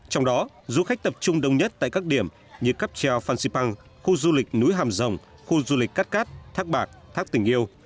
trong đó du khách tập trung đông nhất tại các điểm như cắp treo phan xipang khu du lịch núi hàm rồng khu du lịch cát cát bạc thác tình yêu